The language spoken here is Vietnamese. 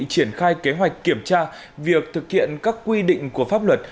triển khai kế hoạch kiểm tra việc thực hiện các quy định của pháp luật